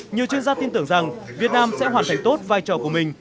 nhiều chuyên gia tin tưởng rằng việt nam sẽ hoàn thành tốt vai trò của mình